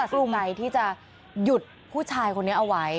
แล้วก็ตัดสินใจที่จะหยุดผู้ชายคนนี้เอาไว้